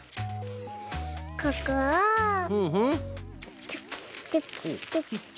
ここをチョキチョキチョキチョキ。